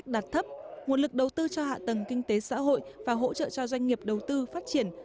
đạt thấp nguồn lực đầu tư cho hạ tầng kinh tế xã hội và hỗ trợ cho doanh nghiệp đầu tư phát triển